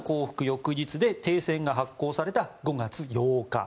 翌日で停戦が発効された５月８日。